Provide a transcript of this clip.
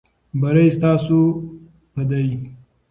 بری ستاسو په دی.